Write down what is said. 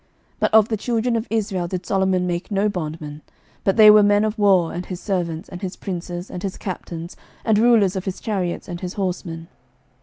11:009:022 But of the children of Israel did Solomon make no bondmen: but they were men of war, and his servants, and his princes, and his captains, and rulers of his chariots, and his horsemen.